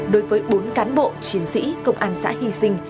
đối với bốn cán bộ chiến sĩ công an xã hy sinh